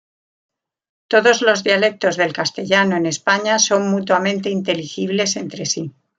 Todos los dialectos del castellano en España son mutuamente inteligibles entre sí.